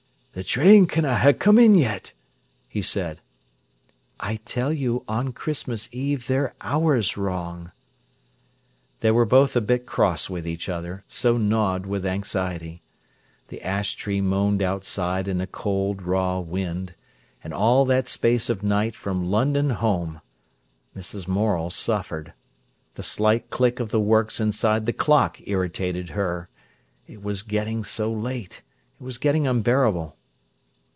"Th' train canna ha' come in yet," he said. "I tell you, on Christmas Eve they're hours wrong." They were both a bit cross with each other, so gnawed with anxiety. The ash tree moaned outside in a cold, raw wind. And all that space of night from London home! Mrs. Morel suffered. The slight click of the works inside the clock irritated her. It was getting so late; it was getting unbearable.